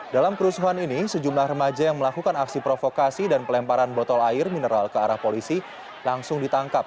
dalam kerusuhan ini sejumlah remaja yang melakukan aksi provokasi dan pelemparan botol air mineral ke arah polisi langsung ditangkap